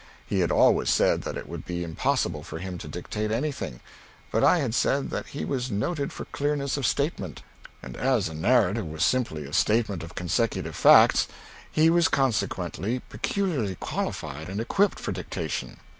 He had always said that it would be impossible for him to dictate anything, but I had said that he was noted for clearness of statement, and as a narrative was simply a statement of consecutive facts, he was consequently peculiarly qualified and equipped for dictation.